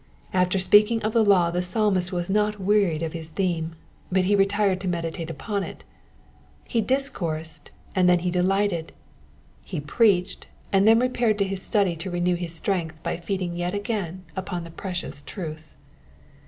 After speaking of the law the Psalmist was not wearied of his theme, but he retired to meditate upon it ; he discoursed and then he delighted, he preached and then repaired to his study to renew his strength by feeding yet again upon the precious truth.